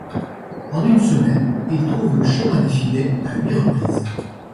En une semaine, il trouve le chemin des filets à huit reprises.